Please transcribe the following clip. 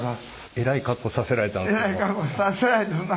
えらい格好させられたそんな。